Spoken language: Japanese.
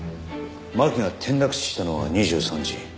巻が転落死したのは２３時。